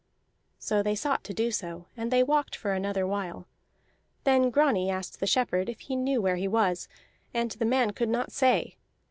So they sought to do so, and they walked for another while. Then Grani asked the shepherd if he knew where he was, and the man could not say.